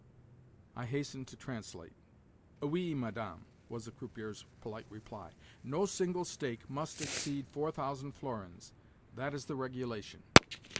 I hastened to translate. "Oui, Madame," was the croupier's polite reply. "No single stake must exceed four thousand florins. That is the regulation."